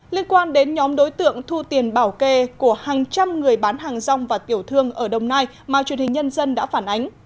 liên quan đến nhóm đối tượng thu tiền bảo kê của hàng trăm người bán hàng rong và tiểu thương ở đồng nai mà truyền hình nhân dân đã phản ánh